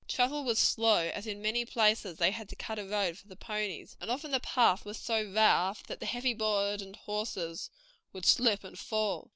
Travel was slow, as in many places they had to cut a road for the ponies, and often the path was so rough that the heavily burdened horses would slip and fall.